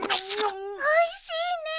おいしいね。